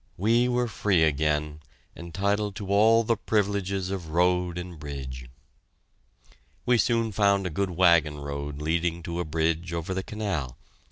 We were free again, entitled to all the privileges of road and bridge. We soon found a good wagon road leading to a bridge over the canal.